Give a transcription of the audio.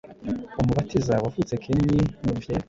Umubatiza, wavute kenhi numvie